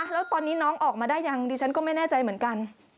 แล้วตอนนี้น้องออกมาได้ยังดิฉันก็ไม่แน่ใจเหมือนกัน